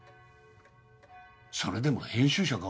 それでも編集者か？